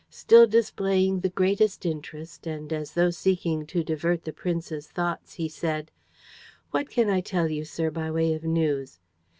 Still displaying the greatest interest and as though seeking to divert the prince's thoughts, he said: "What can I tell you, sir, by way of news?